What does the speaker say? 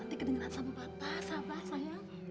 iya ya sus nanti kedengeran sama bapak sama saya